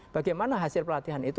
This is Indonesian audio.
bagaimana hasil pelatihan itu